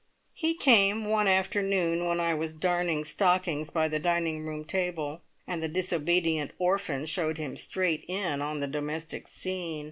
He came one afternoon when I was darning stockings by the dining room table, and the disobedient orphan showed him straight in on the domestic scene.